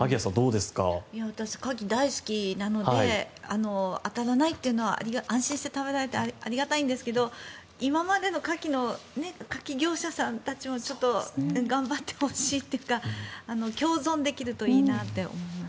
私、カキ大好きなのであたらないというのは安心して食べられてありがたいんですけど今までのカキ業者さんたちもちょっと頑張ってほしいというか共存できるといいなと思います。